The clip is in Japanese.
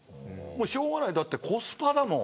しょうがないだってコスパだもん。